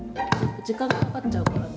時間かかっちゃうから。